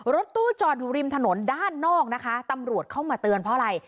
รถตู้จอดอยู่ริมถนนด้านนอกนะคะตำรวจเข้ามาเตือนเพราะอะไร